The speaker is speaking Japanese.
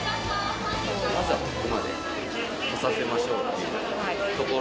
まずはここまで来させましょうっていうところ。